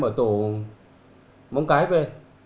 ở tổ móng cái về